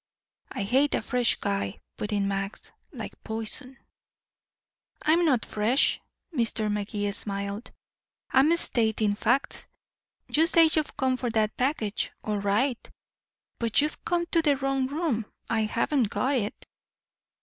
"And I hate a fresh guy," put in Max, "like poison." "I'm not fresh," Mr. Magee smiled, "I'm stating facts. You say you've come for that package. All right but you've come to the wrong room. I haven't got it."